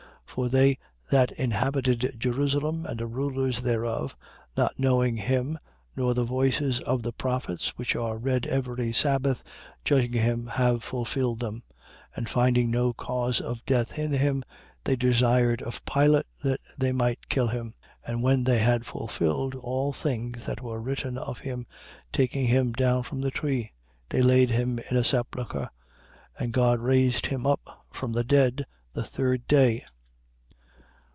13:27. For they that inhabited Jerusalem and the rulers thereof, not knowing him, nor the voices of the prophets which are read every sabbath, judging him, have fulfilled them. 13:28. And finding no cause of death in him, they desired of Pilate that they might kill him. 13:29. And when they had fulfilled all things that were written of him, taking him down from the tree, they laid him in a sepulchre. 13:30. But God raised him up from the dead the third day.